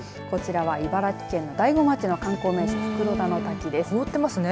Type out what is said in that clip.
こちらは茨城県の大子町の観光名所袋田の滝です。